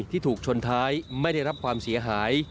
ที่ถูกชนท้ายไม่ได้รับความเสียหาย